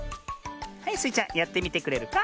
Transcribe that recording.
はいスイちゃんやってみてくれるか？